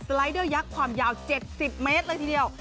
รายเดอร์ยักษ์ความยาว๗๐เมตรเลยทีเดียว